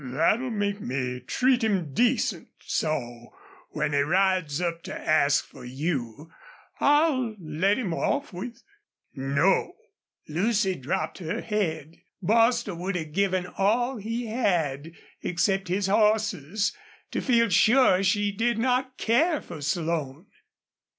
"That'll make me treat him decent, so when he rides up to ask for you I'll let him off with, 'No!" Lucy dropped her head. Bostil would have given all he had, except his horses, to feel sure she did not care for Slone.